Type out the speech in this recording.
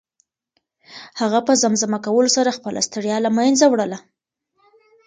هغه په زمزمه کولو سره خپله ستړیا له منځه وړله.